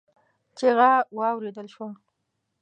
چيغه واورېدل شوه.